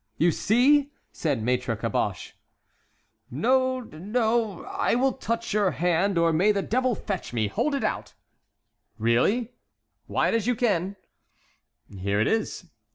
"You see!" said Maître Caboche. "No, no; I will touch your hand, or may the devil fetch me! Hold it out"— "Really?" "Wide as you can." "Here it is."